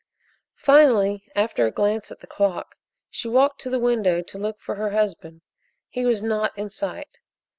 Finally, after a glance at the clock, she walked to the window to look for her husband. He was not in sight.